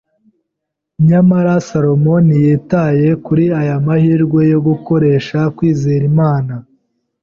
Nyamara Salomo ntiyitaye kuri aya mahirwe yo gukoresha kwizera Imana.